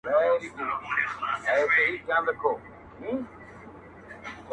د سپي دا وصیت مي هم پوره کومه،